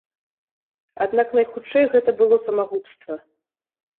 Аднак найхутчэй гэта было самагубства.